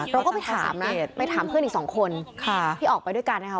เราก็ไปถามนะไปถามเพื่อนอีกสองคนค่ะที่ออกไปด้วยกันนะคะ